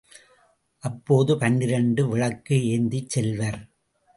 அப்போது பன்னிரண்டு விளக்கு ஏந்திச் செல்வர்.